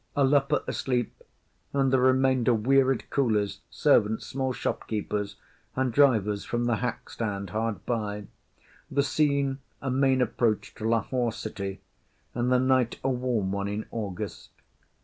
‘A leper asleep; and the remainder wearied coolies, servants, small shopkeepers, and drivers from the hackstand hard by. The scene a main approach to Lahore city, and the night a warm one in August.